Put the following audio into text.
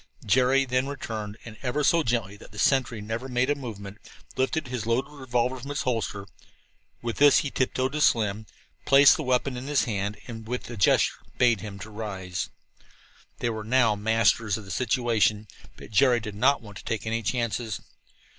Jerry then returned, and, so gently that the sentry never made a movement, lifted his loaded revolver from its holster. With this he tiptoed to Slim, placed the weapon in his hand and with a gesture bade him rise. They were now masters of the situation, but Jerry did not want to take any chances.